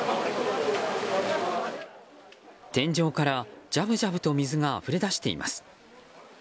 天井から、じゃぶじゃぶと水があふれ出しています。